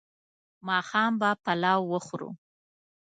ماښام به پلاو وخورو